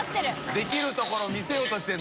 できるところを見せようとしてる。